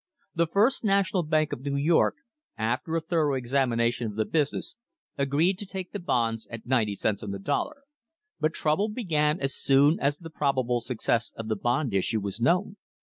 The First National Bank of New York, after a thorough examination of the business, agreed to take the bonds at ninety cents on the dollar, but trouble began as soon as the probable success of the bond issue was known.